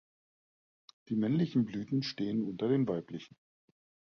Die männlichen Blüten stehen unter den weiblichen.